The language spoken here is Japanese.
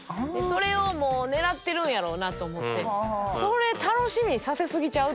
それをもう狙ってるんやろなと思ってそれ楽しみにさせ過ぎちゃう？